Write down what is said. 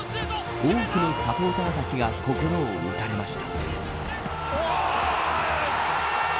多くのサポーターたちが心を打たれました。